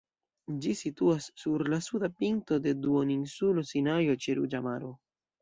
Ĝi situas sur la suda pinto de duoninsulo Sinajo, ĉe Ruĝa Maro.